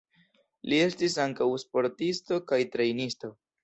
Li estis ankaŭ sportisto kaj trejnisto.